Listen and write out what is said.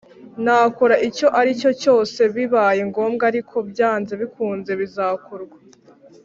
nakora icyo aricyo cyose bibaye ngombwa ariko byanze bikunze bizakorwa